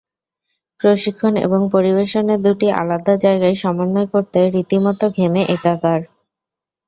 প্রশিক্ষণ এবং পরিবেশনের দুটি আলাদা জায়গায় সমন্বয় করতে রীতিমতো ঘেমে একাকার।